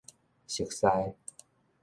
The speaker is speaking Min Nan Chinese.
熟似